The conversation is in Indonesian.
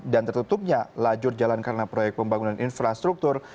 dan tertutupnya lajur jalan karena proyek pembangunan infrastruktur